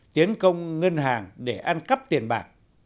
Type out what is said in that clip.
tiến công ngân hàng để ăn cắp tiền bạc